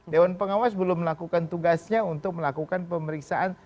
dewan pengawas belum melakukan tugasnya untuk melakukan pemeriksaan